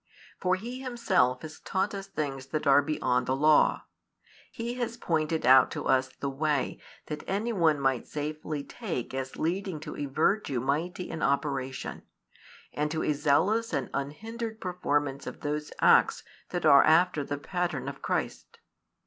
For He Himself has taught us things that are beyond the Law; He has pointed out to us the way that any one might safely take as leading to a virtue mighty in operation, and to a zealous and unhindered performance of those acts that are after the pattern of Christ.